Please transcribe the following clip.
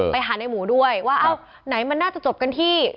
ไปหาในหมูด้วยว่าเอ้าไหนมันน่าจะจบกันที่